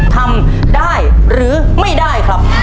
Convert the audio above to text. ทำได้หรือไม่ได้ครับ